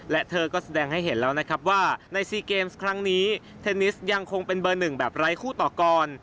และเธอก็แสดงให้เห็นแล้วนะครับว่าในซีเกมส์ครั้งนี้เทนนิสยังคงเป็นเบอร์หนึ่งแบบไร้คู่ต่อกร